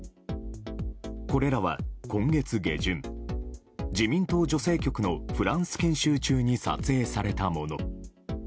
これらは今月下旬自民党女性局のフランス研修中に撮影されたもの。